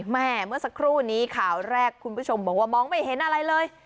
เมื่อสักครู่นี้ข่าวแรกคุณผู้ชมบอกว่ามองไม่เห็นอะไรเลย